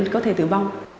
có thể tử vong